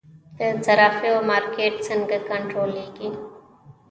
د صرافیو مارکیټ څنګه کنټرولیږي؟